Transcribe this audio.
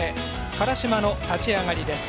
辛島の立ち上がりです。